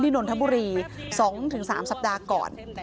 นนทบุรี๒๓สัปดาห์ก่อน